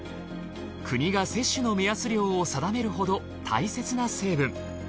国が摂取の目安量を定めるほど大切な成分。